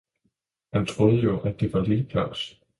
Han troede jo, at det var lille Claus.